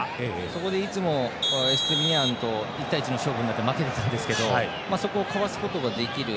そこでいつもエストゥピニャンと１対１の勝負になって負けていたんですけどそこをかわすことができる。